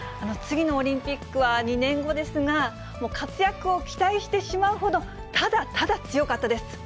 次のオリンピックは２年後ですが、活躍を期待してしまうほど、ただただ強かったです。